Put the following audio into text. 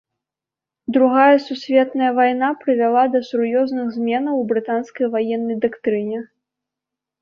Другая сусветная вайна прывяла да сур'ёзных зменаў у брытанскай ваеннай дактрыне.